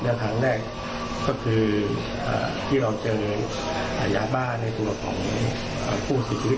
แนวทางแรกก็คือที่เราเจอยาบ้านในตัวของผู้สิทธิวิต